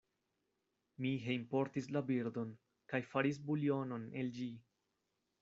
Mi hejmportis la birdon, kaj faris buljonon el ĝi.